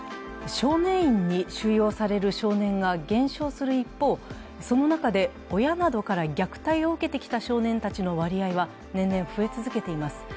少年院に収容される少年が減少する一方、その中で親などから虐待を受けてきた少年たちの割合は年々増え続けています。